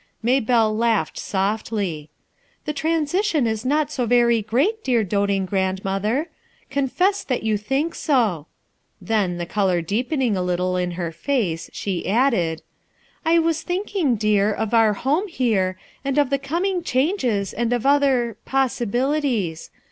Maybelle laughed softly. "The transition was not so very great, dear doting grandmother! Confess that you think so.' 1 Then, the color deepening a little in her face, she added: — 392 HUTU EUSKINE'S SON "I was thinking, dear, of our home hem of the coming changes, and of other— posaibir tics.